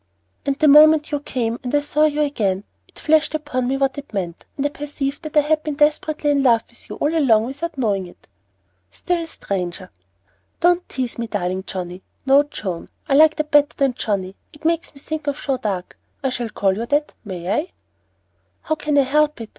"And the moment you came and I saw you again, it flashed upon me what it meant; and I perceived that I had been desperately in love with you all along without knowing it." "Still stranger." "Don't tease me, darling Johnnie, no, Joan; I like that better than Johnnie. It makes me think of Joan d'Arc. I shall call you that, may I?" "How can I help it?